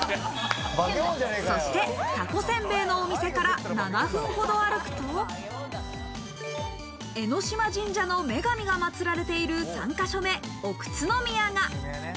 そして、たこせんべいのお店から７分ほど歩くと、江島神社の女神がまつられている３か所目、奥津宮が。